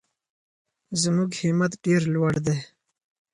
زموږ همت ډېر لوړ دی.